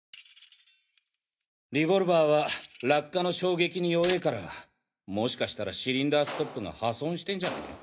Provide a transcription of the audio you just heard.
リボルバーは落下の衝撃に弱ぇからもしかしたらシリンダーストップが破損してんじゃね？